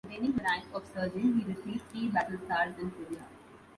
Attaining the rank of sergeant, he received three battle stars in Korea.